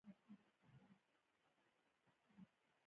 سېرېنا له خپلې ډلې سره په ځنګله کې پټه وه.